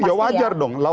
ya wajar dong